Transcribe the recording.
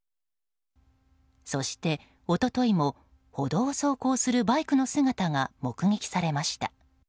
そして、一昨日も歩道を走行するバイクの姿が目撃されました。